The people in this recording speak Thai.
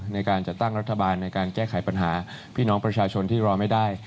ในการจัดตั้งรัฐบาลในการแก้ไขปัญหาพี่น้องประชาชนที่รอไม่ได้